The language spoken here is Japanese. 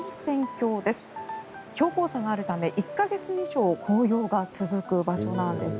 標高差があるため１か月以上紅葉が続く場所なんです。